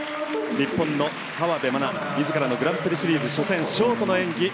日本の河辺愛菜自らのグランプリシリーズ初戦ショートの演技